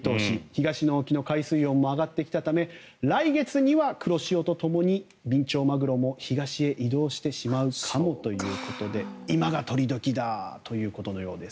東の沖の海水温も上がってきたため来月には黒潮とともにビンチョウマグロも東へ移動してしまうかもということで今が取り時だということのようです。